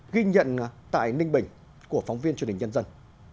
ghi nhận tại ninh bình của phóng viên truyền hình nhân dân